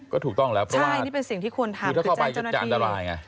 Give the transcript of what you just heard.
ก็ถูกต้องแล้วเพราะว่าใช่นี่เป็นสิ่งที่ควรทำคือใจเจ้าหน้าที่